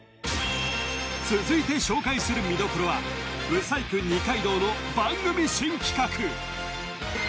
続いて紹介する見どころは舞祭組二階堂の番組新企画